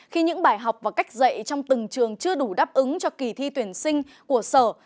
khi những bài học và cách dạy trong từng trường chưa đủ đáp ứng cho kỳ thi tuyển sinh của sở